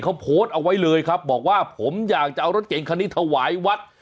เขาโพสต์เอาไว้เลยครับบอกว่าผมอยากจะเอารถเก่งคันนี้ถวายวัด